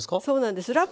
そうなんです。